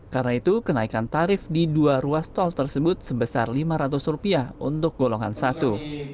karena itu kenaikan tarif di dua ruas tol tersebut sebesar rp lima ratus untuk golongan satu